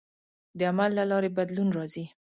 د عمل له لارې بدلون راځي.